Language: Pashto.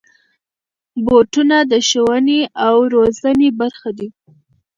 بوټونه د ښوونې او روزنې برخه دي.